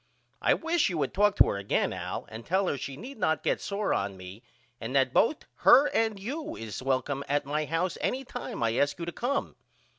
I wish you would talk to her again Al and tell her she need not get sore on me and that both her and you is welcome at my house any time I ask you to come.